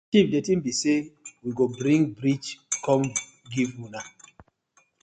Chief di tin bi say we go bring bridge kom giv una.